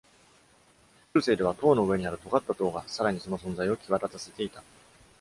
中世では、塔の上にある尖った塔がさらにその存在を際立たせていた。